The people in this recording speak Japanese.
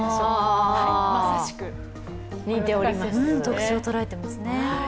特徴を捉えていますね。